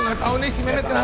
lu gak tau nih si mehmet kenapa